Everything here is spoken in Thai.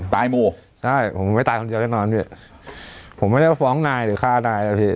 หมู่ใช่ผมไม่ตายคนเดียวแน่นอนพี่ผมไม่ได้ว่าฟ้องนายหรือฆ่านายนะพี่